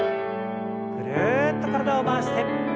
ぐるっと体を回して。